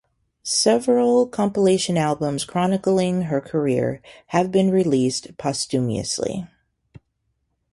Several compilation albums chronicling her career have been released posthumously.